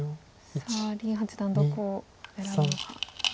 さあ林八段どこを狙うのか。